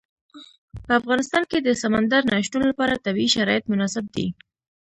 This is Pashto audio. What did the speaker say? په افغانستان کې د سمندر نه شتون لپاره طبیعي شرایط مناسب دي.